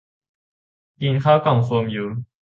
กินข้าวกล่องโฟมอยู่